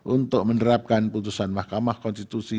untuk menerapkan putusan mahkamah konstitusi